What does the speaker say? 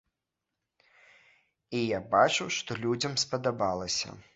І я бачыў, што людзям спадабалася.